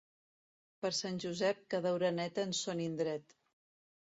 Per Sant Josep cada oreneta en son indret.